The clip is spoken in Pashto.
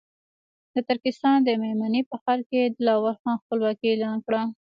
د ترکستان د مېمنې په ښار کې دلاور خان خپلواکي اعلان کړه.